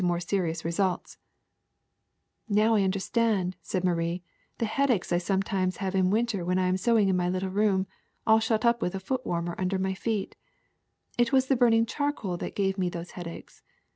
IM THE SECRET OF EVERYDAY THlNGB ^^Now I understand/' said Marie, ^Hhe headaches I sometimes have in winter when I am sewing in my little room, all shut up with a foot warmer under my feet. It was the burning charcoal that gave me those headaches.